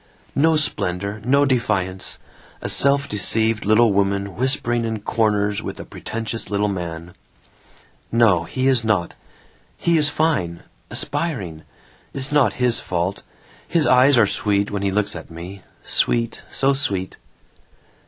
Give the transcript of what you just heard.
"No splendor, no defiance. A self deceived little woman whispering in corners with a pretentious little man. "No, he is not. He is fine. Aspiring. It's not his fault. His eyes are sweet when he looks at me. Sweet, so sweet."